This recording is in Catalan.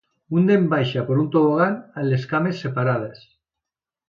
Un nen baixa per un tobogan amb les cames separades.